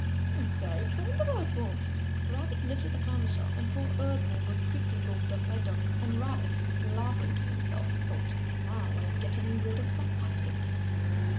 I am very fond of Earth Worms." Rabbit lifted the clam shell and poor Earth Worm was quickly gobbled up by Duck. And Rabbit, laughing to himself, thought, "Now I am getting rid of my customers."